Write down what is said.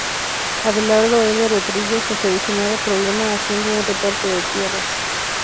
Abelardo L. Rodríguez a solucionar el problema haciendo un reparto de tierras.